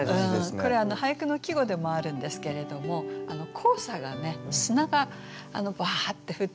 これ俳句の季語でもあるんですけれども黄砂がね砂がバーッて降ってくる。